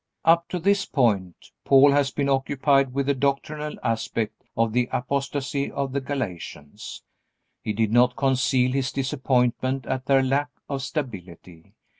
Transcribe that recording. Up to this point Paul has been occupied with the doctrinal aspect of the apostasy of the Galatians. He did not conceal his disappointment at their lack of stability.